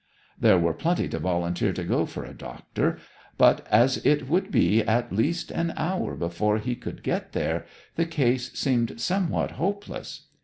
There were plenty to volunteer to go for a doctor, but as it would be at least an hour before he could get there the case seemed somewhat hopeless.